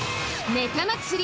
ネタ祭り！